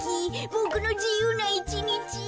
ボクのじゆうないちにち。